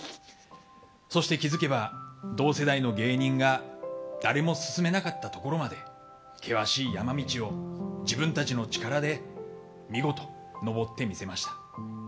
そして気づけば、同世代の芸人が誰も進めなかったところまで険しい山道を自分たちの力で見事、登ってみせました。